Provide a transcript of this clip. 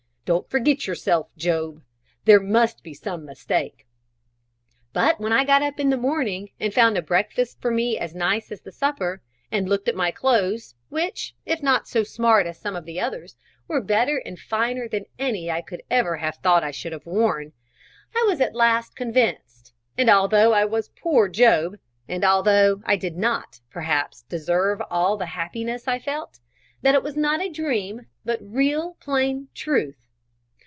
Don't forget yourself, Job; there must be some mistake." But when I got up in the morning, and found a breakfast for me as nice as the supper, and looked at my clothes, which, if not so smart as some of the others, were better and finer than any I could ever have thought I should have worn, I was at last convinced, that although I was poor Job, and although I did not, perhaps, deserve all the happiness I felt, that it was not a dream, but real, plain truth.